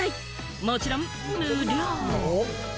もちろん無料。